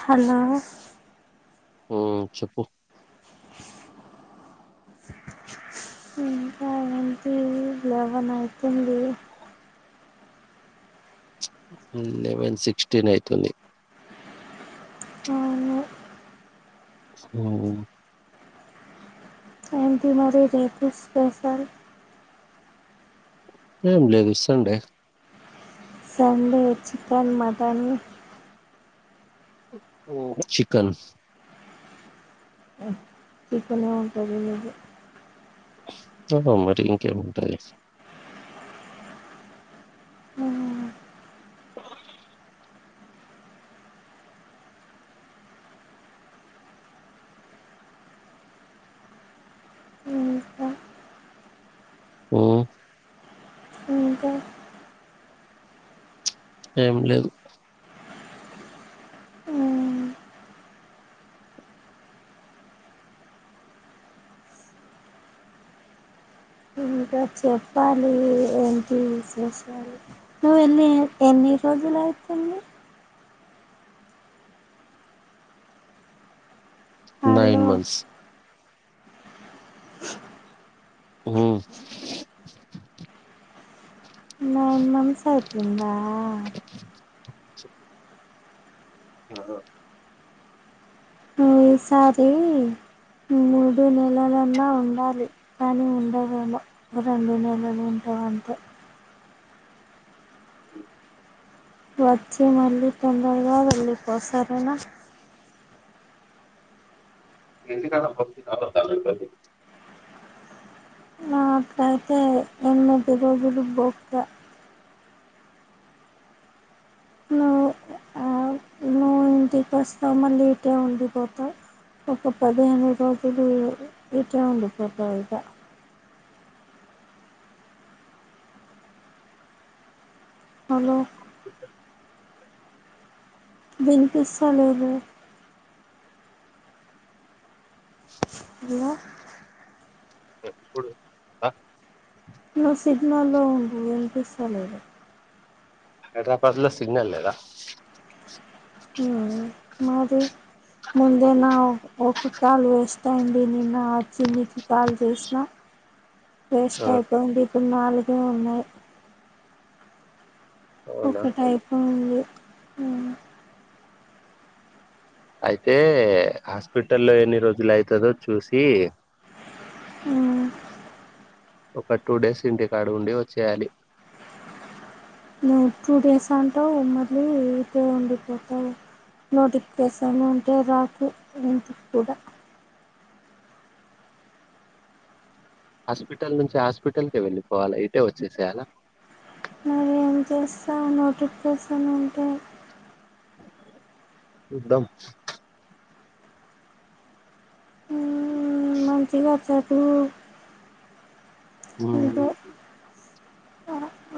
Hello ఊ చెప్పు ఇంకా ఏంటిది లెవెన్ అయితుంది ఉం లెవెన్ సిక్స్టీనైతుంది అవ్ను సూ ఏంటి మరి రేపు స్పెషల్ ఏం లేదు సండే సండే చికెన్ మటన్ ఉహ్ చికన్ చిక్కనే ఉంటది నువ్వు అహ మరి ఇంకేం ఉంటది ఇంకా ఊ ఇంకా ఏం లేదు ఇంకా చెప్పాలి ఏంటి విశేషాలు నువ్ ఎన్ని ఎన్ని రోజులయితుండి నైన్ హలో మంత్స్ ఉహ్మ్ నైన్ మంత్స్ ఐతుందా చిప్ [unintelligible] ఈ సారి మూడు నెలలన్నా ఉండాలి కానీ ఉండవేమో రెండు నెలలు ఉంటామంతే వచ్చి మళ్ళీ తొందరగా వెళ్లి పో సరేనా ఇంటికాడ [unintelligible] పనుంటది ఆ అట్లైతే ఎనిమిది రోజులు బొక్క ఇంటికోస్తే మళ్ళీ ఇటే ఉండిపోతా ఇక పదిహేను రోజులు ఇటే ఉండిపోత ఇక హలో విన్పిస్తలేదు హలో ఎప్పుడు ఆ నువ్వు సిగ్నల్లో ఉండు వినిపిస్తలేదు హైదరాబాద్ లో సిగ్నల్ లేదా హుమ్ మాది ముందే నా ఒక కాల్ వేస్ట్ అయింది నిన్న చెల్లి కీ కాల్ చేసిన వేస్ట్ ఆ అయిపోయింది ఇప్పుడు నాలుగే ఉన్నాయి అవునా ఒకటి అయిపోయింది హుమ్ అయితే హాస్పిటల్లో ఎన్ని రోజులు అయితదో చూసి హుమ్ ఒక టూ డేస్ ఇంటికాడ ఉండి వచ్చేయాలి నువ్వు టూ డేస్ అంటావు మళ్ళీ ఇక్కడే వండిపోతావ్ నోటిఫికేషన్ ఉంటే రాకు ఇంటికూడా హాస్పిటల్ నుంచి హాస్పటల్ కే వెళ్ళిపోవాలా ఇటే వచ్చేసేయలా మరి ఏం చేస్తావ్ నోటిఫికేషన్ ఉంటే చూదాం [unintelligible] హ్మ్ ఇంకా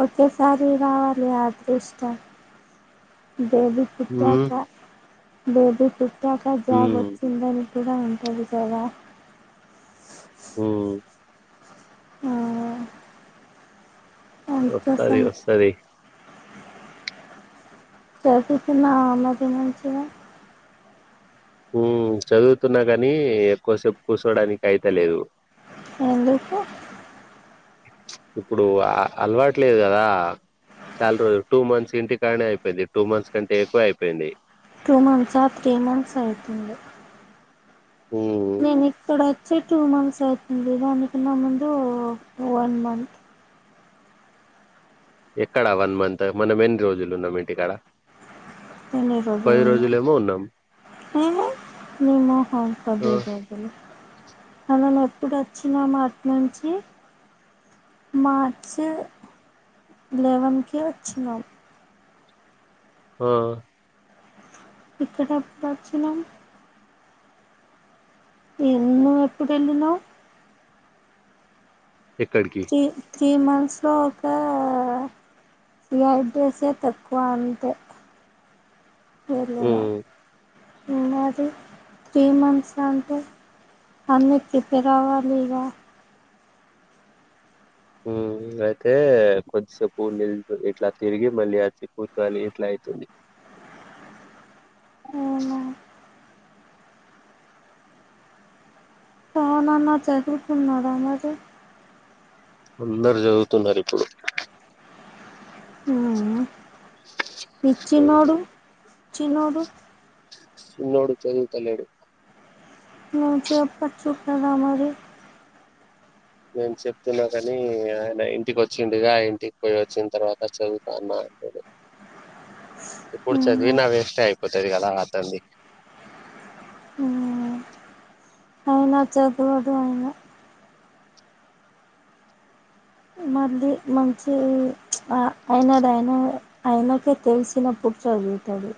ఒకేసారి రావాలి అదృష్టం బేబీ హ్మ్ పుట్టాక బేబీ పుట్టాక జాబ్ హ్మ్ వచ్చిందని కూడా ఉంటది కదా హుమ్ అందుకోసం వస్తది వస్తది చేసిస్తున్న ఆమది మంచిగా చదువుతున్నా కాని ఎక్కువసేపు కూర్చోడానికి అయిత లేదు ఎందుకు ఇప్పుడు అలవాటు లేదు కదా చాలా రోజులు టూ మంత్స్ ఇంటి కానే అయిపోయింది టూ మంత్స్ కంటే ఎక్కువ అయిపోయింది టూ మంత్సా త్రీ మంత్స్ అయితుంది ఉమ్ నేన్ ఇక్కడ ఓచ్చి టూ మంత్స్ అవ్తుంది దాని కన్నా ముందు వన్ మంత్ ఎక్కడా వన్ మంత్ మనం ఎన్ రోజులు ఉన్నాం ఇంటి కాడ ఎన్ని రోజులు ఉన్నాం ఉన్నాం నిన్నే [unintelligible] ఆ పది రోజ్లు మనం ఎప్పుడు ఓచ్చినాం అట్నుంచి మార్చి లెవెన్కి ఓచ్చినాం ఆ ఇక్కడ ఏప్పుడు వచ్చినం ఏం నువ్ ఎప్పుడు వేళ్ళినవ్ ఎక్కడికి త్రీ త్రీ మంత్స్లో ఒక జాబ్ చేసేది తక్కువ అంతే వెళ్లిన ఉమ్ మరి త్రీ మంత్స్ అంటే అన్నీ చేప్పి రావాలిగా ఉం అయితే కొద్దిసేప్ నిల్ ఇట్లా తిరిగి మళ్ళీ అచ్చి కూర్చొని ఇట్లా అయితుంది అవునా అవునన్నా చదువుకున్నారా మరి అందరా చదువుతున్నారు ఇప్పుడు ఊమ్ ని ఉమ్, చిన్నోడు చిన్నోడు చిన్నోడు చదువుతన్నాడు నువ్ చెప్పొచ్చు కదా మరి నేన్ చెప్తున్నా కాని ఆయన ఇంటికి వచ్చిండుగా ఇంటికి పోయి వచ్చిన తర్వాత చదువుత అన్నా అన్నాడు ఇప్పుడు మ్మ్ చదివినా వేస్టే అయిపోతాది కదా అతన్ని ది ఉ అయినా చదవడు ఆయన మళ్ళీ మంచి చ్ ఆ ఆయనది ఆయన ఆయనకే తెల్సినప్పుడు చదువుతాడు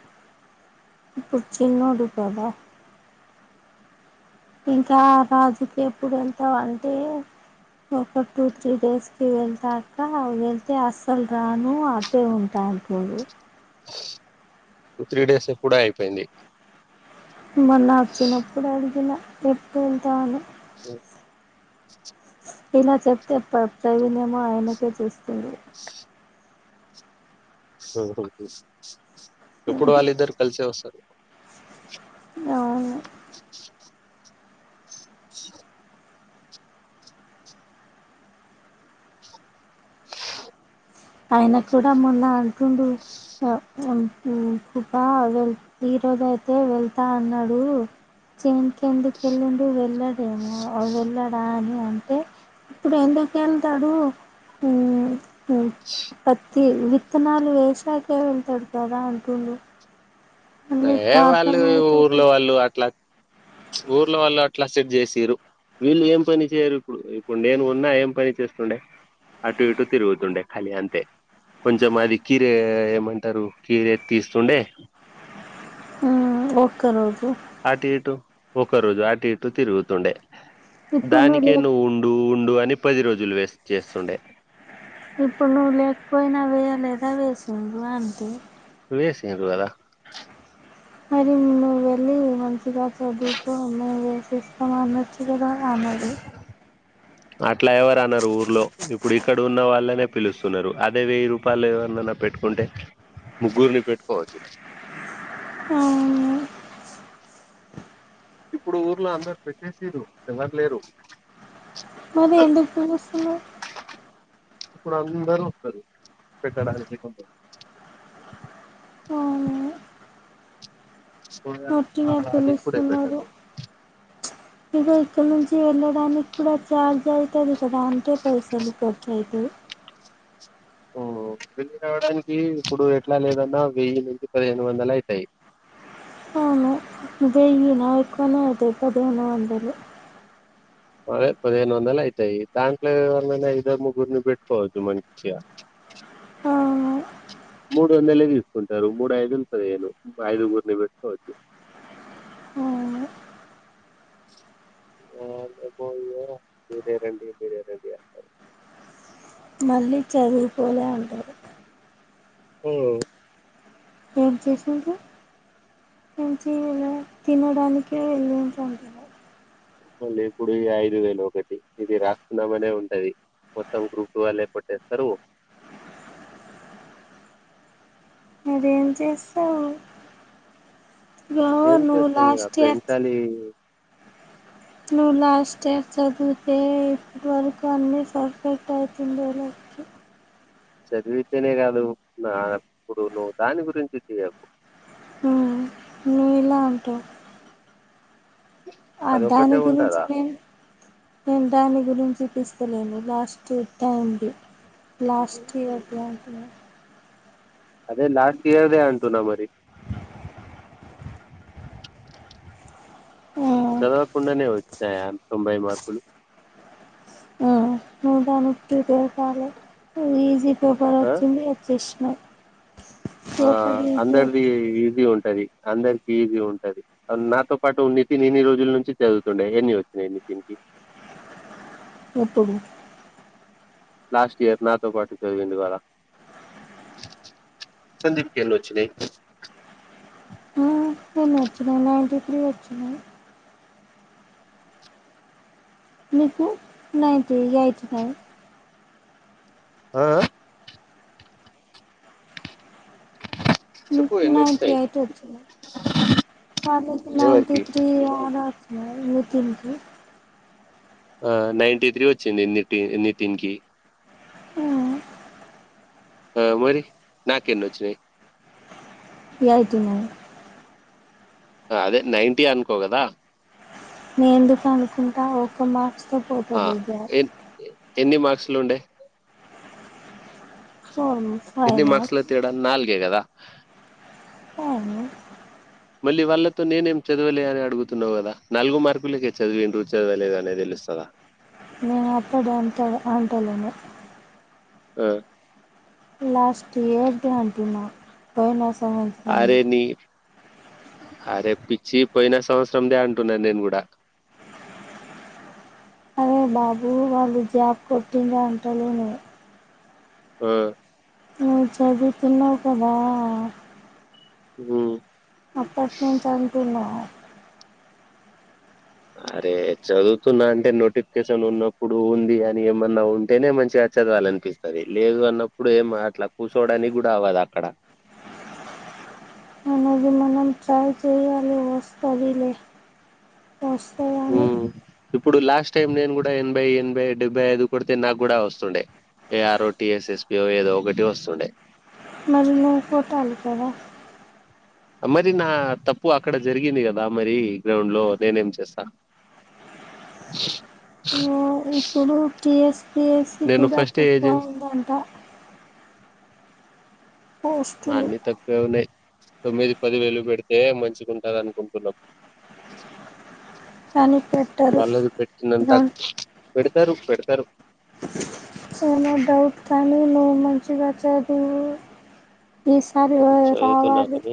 ఇప్పుడు చిన్నోడు కద ఇంకా రాజుకి ఎప్పుడు వెళ్తావ్ అంటే ఒక టూ త్రీ డేస్ కి వేళ్తా అక్కా వేళ్తే అసలు రాను తే ఉంటా అంటున్నాడు త్రీ డేస్ ఎప్పుడో అయిపోయింది మొన్న వచ్చినప్పుడు అడిగిన ఎప్పుడు వెళ్తావని ఓ ఇలా చెప్తే ప్రత్యయనమ ఆయనకే చూస్తుంది ఎప్పుడు వాళ్ళు ఇద్దరు కలిసే వస్తారు అవును ఆయన కూడా మొన్న అంటుండు హ హం ఉమ్ కుప వెళ్ ఈరోజ్ అయితే వెళ్తా అన్నాడు చేనికి ఎందుకు వెళ్ళండు వెళ్ళడేమో వెళ్ళాడా అని అంటే ఇప్పుడు ఎందుకు ఏళ్తాడు హ్మ్ హ్మ్ పత్తి విత్తనాలు వేసాకే వేళ్తాడు కదా అంటుండు మళ్ళీ ఎ ప్రాబ్లం వాళ్ళు అయితది ఊర్లో వాళ్ళు అట్లా ఊర్లో వాళ్ళు అట్లా సెట్ చేసిరు వీళ్ళు ఏం పని చేయరు ఇప్పుడు ఇప్పుడ్ నేను ఉన్నా ఏం పని చేస్తుండే అటు ఇటు తిరుగుతుండే ఖాళీ అంతే కొంచెం అది కీరే ఏమంటారు కీరే తీస్తుండే ఆ ఒక రోజు అటు ఇటు ఒక రోజు అటు ఇటు తిరుగుతుండే ఇప్పుడు దానికే లేక నువ్వు ఉండు ఉండు అని పది రోజులు వేస్ట్ చేస్తుండే ఇప్పుడు నువ్వు లేకపోయినా వేయలేదా వేసిండు అంతే వేసిర్రు కదా మరి నువ్వు వెళ్ళి మంచిగా చదువుతు మేము వేసేస్తాం అనోచ్చు కదా అనది [inaudible] అట్లా ఎవరూ అనరు ఊర్లో ఇప్పుడు ఇక్కడ ఉన్న వాళ్ళనే పిలుస్తున్నరు అదే వెయ్యి రూపాయలు ఎవన్నా పెట్టుకుంటే ముగ్గురిని పెట్టుకోవచ్చు హు ఇప్పుడు ఊర్లో అందరు పెట్టేసిరు ఎవరు లేరు మరి ఎందుకు తెలుస్తున్నది అప్పుడు అందరూ వస్తరు పెట్టడానికి కొంచెం అవును [unintelligible] వట్టిగా అది ఇప్పుడే పిలుస్తున్నారు పెట్టరు ఇగో ఇక్కడ నుంచి వెళ్ళడానికి కూడా ఛార్జ్ అయితది కదా అంతే పైసలు ఖర్చు అయితయి ఉ పెట్టినవాటికి ఇప్పుడు ఎట్లా లేదన్న వెయ్యి నుంచి పదిహేను వందలు అయితయి అవును దీని నాయి ఎక్కువనేయితయి పదిహేను వందలు అదే పదిహేన్ వందలు అయితయి దాంట్లో ఎవర్నైనా ఇద్దరు ముగ్గురిని బెట్టుకోవచ్చు మంచిగా అవును మూడు వందలే తీసుకుంటరు మూడు ఐదులు పదిహేను ఐదుగురిని పెట్టుకోవచ్చు అవును [unintelligible] ఆ నీకు ఇగ మిరే రండి మిరే రండి అంటరు మళ్ళీ చదువుకోలే అంటది హు ఏం చేసిండ్రు ఏంచేయలే తినడానికే వెళ్ళి ఉంటరు మళ్ళీ ఇప్పుడు ఈ ఐదు వేలు ఒకటి ఇది రాస్తున్నామనే ఉంటది మొత్తం గ్రూప్ వాళ్ళే పట్టేస్తారు మరేం చేస్తావు బ్రో ఏం నువ్వు చేస్తాం ఇగ లాస్ట్ ఇయర్ పెంచాలి నువ్వు లాస్ట్ స్టెప్ చదివుతే ఇప్పటి వరకు అన్నీ పర్ఫెక్ట్ అయితుండేలే చదివితేనే కాదు నా అప్పుడు నువ్వు దాని గురించి తియ్యకు నీలా ఆఫ్డే ఆ దాని అదొక్కటే గురించి ఉంటదా నేను నేను దాని గురించి తీస్తలేను last time the last year [unintelligible] అదే లాస్ట్ ఇయర్ దే అంటున్నా మరి చదవకుండానే వచినయా తొంభై మార్కులు నేన్ దాని క్కి ప్రిపేర్ కాలే ఈజీ పేపర్ ఆ వచ్చింది వచ్చేసినా ఆ అందరిది ఈజీ ఉంటది అందరికి ఈజీ ఉంటది అ నాతో పాటు నితిన్ ఇన్ని రోజులు నుంచి చదువుతుండే ఎన్ని వచ్చినాయి నితిన్ కి ఎప్పుడు లాస్ట్ ఇయర్ నాతో పాటు చదివిండుగద సందీప్ కి ఎన్ని వచ్చినయి ఎన్ని వచ్చినయి నైన్టీ త్రీ వచ్చినాయి నికు నైంటి ఎయిట్ నైన్ అ ఆ చెప్పు నీకు ఎన్ని నైంటి వచ్చినాయి ఎయిట్ వచ్చినాయి వాళ్ళకి నైంటి ఎవరికి త్రి అలా వచ్ నయి నితిన్ కి ఆ నైంటి త్రీ వచ్చింది నితీ నితిన్ కి ఆ ఆ మరి నాకేన్నోచ్చినయి ఎయిటీ నైన్ అ అదే నైంటీ అనుకో గదా నే ఎందుకు అనుకుంటా ఓక మార్క్స్ అ ఎన్ ఎన్ని మార్క్స్ లుండే ఫోరూ ఫైవ్ ఎన్ని మార్క్స్ల మర్క్స్ తేడా నాల్గే గదా అవును మళ్ళీ వాళ్ళతో నేనేం చదవలే అని అడుగుతున్నవు గదా నాలుగు మార్కులకే చదివిన్రు చదవలేదనేది తెలుస్తదా అ అక్కడ అంటలే అంటలేను అ లాస్ట్ ఇయర్ది అంటున్నా పోయిన సంవత్ అరే నీ అరే పిచ్చి పోయిన సంవత్సరందే అంటున్నా నేను గూడ అరే బాబు వాళ్ళు జాబ్ కొట్టిన్రంటలేను అ నువ్వు చదువుతున్నావ్ కదా ఉమ్ అప్పట్నుంచి అంటున్నా అరే చదువుతున్నా అంటే నోటిఫికేషన్ ఉన్నప్పుడు ఉంది అని ఏమన్నా ఉంటేనే మంచిగ చదవాలనిపిస్ స్తది లేదు అన్నప్పుడు ఏం అట్లా కూసోడానికి గూడ అవదక్కడ అనేది మనం ట్రై చేయాలి వస్తది లే వస్తదని ఉమ్. ఇప్పుడు లాస్ట్ టైం నేను గూడ ఎనభై ఎనభై డెబ్బై ఐదు కొడితే నాగ్గుడా వస్తుండే A R O, T S S P O ఏదో ఒకటి వస్తుండే మరి నువ్ కొట్టాలి కదా మరి నా తప్పు అక్కడ జరిగింది గదా మరీ గ్రౌండ్ లో నేనేం చేస్త ఉమ్ అ ఇప్పుడు టి ఎస్ పి ఎస్ కి నేను కూడా ఫస్ట్ తక్కువ ఏజెన్సీ ఉందంట మ పోస్టులు అన్ని తక్కువె ఉన్నయ్ తొమ్మిది పది వేలు పెడితే మంచిగుంటదనుకుంటున్నాం కానీ పెట్టరు వాళ్ళది పెట్టినంత పెడతరు పెడతరు సో ఏమైనా డౌట్ కానీ నువ్ మంచిగా చదువు ఈసారి ఆ చదువుతున్నా రావాలి కాని